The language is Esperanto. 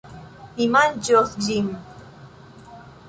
Mi manĝos ĝin.